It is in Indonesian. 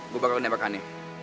gue bakal nembak hany